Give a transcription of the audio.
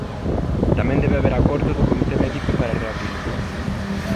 Tamén debe haber acordo do comité médico para reabrilo.